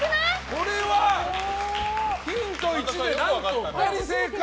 これはヒント１で何と２人正解。